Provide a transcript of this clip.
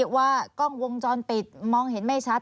ว่ากล้องวงจรปิดมองเห็นไม่ชัด